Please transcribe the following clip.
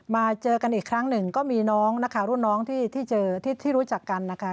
มาเจอกันอีกครั้งหนึ่งก็มีน้องนะคะรุ่นน้องที่เจอที่รู้จักกันนะคะ